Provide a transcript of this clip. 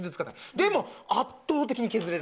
でも、圧倒的に削れる。